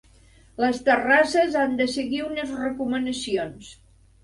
Les terrasses han de seguir unes recomanacions.